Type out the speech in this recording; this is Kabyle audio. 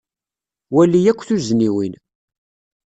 Wali akk tuzniwin.